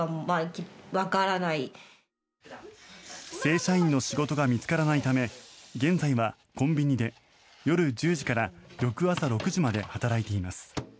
正社員の仕事が見つからないため現在はコンビニで夜１０時から翌朝６時まで働いています。